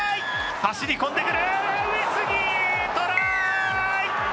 走り込んでくる。